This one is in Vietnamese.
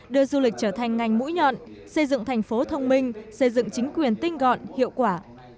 đưa du lịch trở thành ngành mũi nhọn xây dựng thành phố thông minh xây dựng chính quyền tinh gọn hiệu quả